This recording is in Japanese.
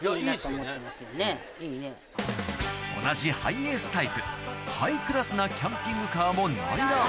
同じハイエースタイプハイクラスなキャンピングカーも内覧